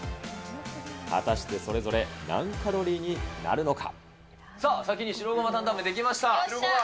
果たしてそれぞれ何カロリーになるのか。